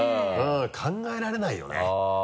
考えられないよね。